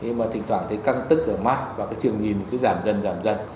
nhưng mà thỉnh thoảng thấy căng tức ở mắt và cái trường nhìn cứ giảm dần giảm dần